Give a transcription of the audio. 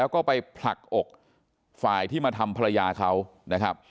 แล้วก็ไปผลักอกฝ่ายที่มาทำภรรยาเขานะครับ